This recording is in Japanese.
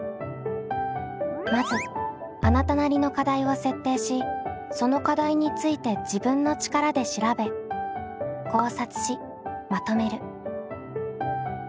まずあなたなりの課題を設定しその課題について自分の力で調べ考察しまとめる。